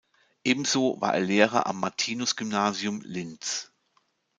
Ebenso war er Lehrer am Martinus-Gymnasium Linz.